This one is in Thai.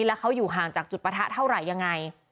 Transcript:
แล้วเขาอยู่ห่างจากจุดปะทะเท่าไหร่ยังไง